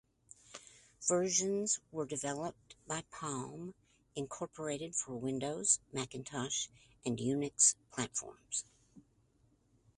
Versions were developed by Palm, Incorporated for Windows, Macintosh, and Unix platforms.